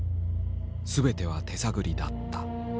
全ては手探りだった。